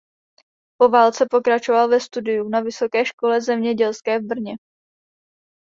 Po válce pokračoval ve studiu na Vysoké škole zemědělské v Brně.